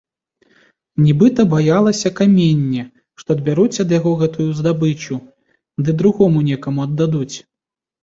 Нібыта баялася каменне, што адбяруць ад яго гэту здабычу ды другому некаму аддадуць.